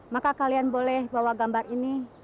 maka kalian boleh bawa gambar ini